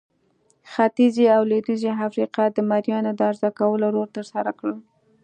ختیځې او لوېدیځې افریقا د مریانو د عرضه کولو رول ترسره کړ.